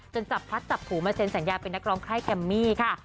จับพัดจับถูมาเซ็นสัญญาเป็นนักร้องค่ายแกมมี่ค่ะ